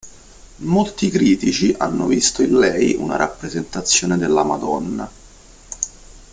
Molti critici hanno visto in lei una rappresentazione della Madonna.